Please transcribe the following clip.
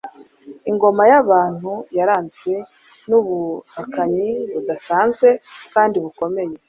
ingoma ya Ahabu yaranzwe nubuhakanyi budasanzwe kandi bukomeye